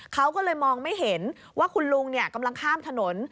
เขาก็เลยมองไม่เห็นว่าคุณลุงกำลังข้ามถนน